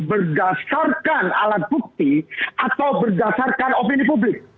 berdasarkan alat bukti atau berdasarkan opini publik